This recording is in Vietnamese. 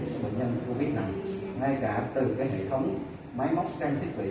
các bệnh nhân covid nặng ngay cả từ cái hệ thống máy móc trang thiết bị